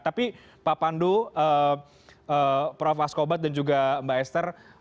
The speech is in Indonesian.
tapi pak pandu prof askobat dan juga mbak esther